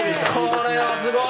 これはすごい！